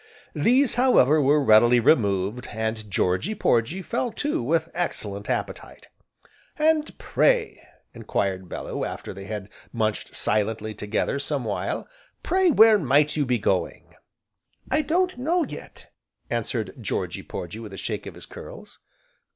These, however, were readily removed, and Georgy Porgy fell to with excellent appetite. "And pray," enquired Bellew, after they had munched silently together, some while, "pray where might you be going?" "I don't know yet," answered Georgy Porgy with a shake of his curls.